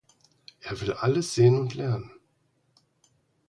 Er will alles sehen und lernen.